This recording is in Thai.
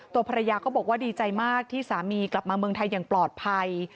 ตัวภรรยาก็บอกว่าดีใจมากที่สามีกลับมาเมืองไทยอย่างปลอดภัย